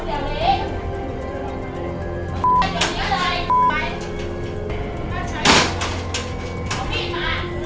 อย่าเอามันเดินเข้ามา